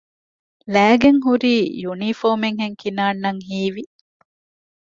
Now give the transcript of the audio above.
ލައިގެންހުރީ ޔުނީފޯމެއްހެން ކިނާންއަށް ހީވި